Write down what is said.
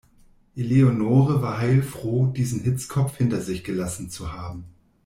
Eleonore war heilfroh, diesen Hitzkopf hinter sich gelassen zu haben.